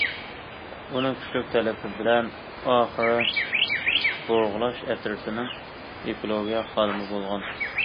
ئۇنىڭ كۈچلۈك تەلىپى بىلەن ئاخىر بۇرغىلاش ئەترىتىنىڭ گېئولوگىيە خادىمى بولغان.